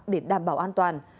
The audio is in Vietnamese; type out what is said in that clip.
để đảm bảo an toàn